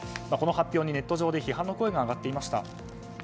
この発表にネット上に批判の声が上がっていました。